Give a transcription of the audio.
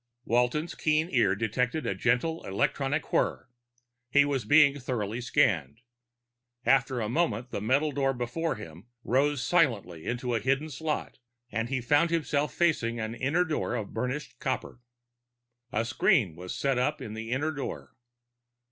Walton's keen ears detected a gentle electronic whirr; he was being thoroughly scanned. After a moment the metal door before him rose silently into a hidden slot, and he found himself facing an inner door of burnished copper. A screen was set in the inner door.